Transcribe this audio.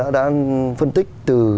đã phân tích từ